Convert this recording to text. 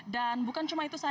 dan bukan cuma itu